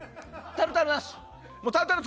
タルタルなし。